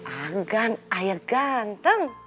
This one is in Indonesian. agan ayah ganteng